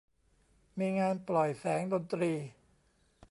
มีงานปล่อยแสงดนตรี